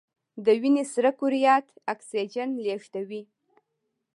د وینې سره کرویات اکسیجن لیږدوي